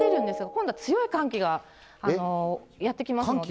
今度は強い寒気がやって来ますんで。